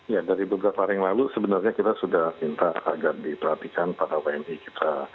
ya dari beberapa hari yang lalu sebenarnya kita sudah minta agar diperhatikan para wni kita